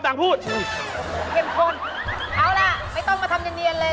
เอาล่ะไม่ต้องมาทำเนียนเลย